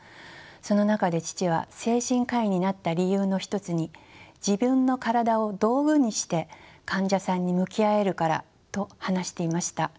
その中で父は精神科医になった理由の一つに自分の体を道具にして患者さんに向き合えるからと話していました。